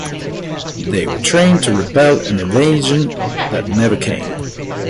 They were trained to repel an invasion that never came.